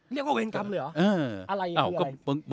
เรียกว่าเวรกรรมเลยหรออะไรหรืออะไร